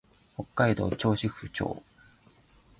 北海道訓子府町